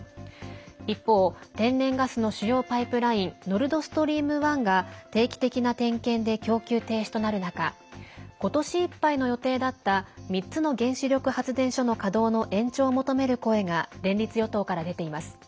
一方、天然ガスの主要パイプラインノルドストリーム１が定期的な点検で供給停止となる中ことしいっぱいの予定だった３つの原子力発電所の稼働の延長を求める声が連立与党から出ています。